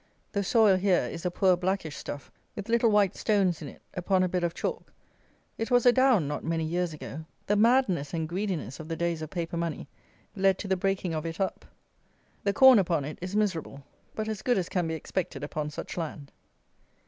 The soil here is a poor blackish stuff, with little white stones in it, upon a bed of chalk. It was a down not many years ago. The madness and greediness of the days of paper money led to the breaking of it up. The corn upon it is miserable; but as good as can be expected upon such land.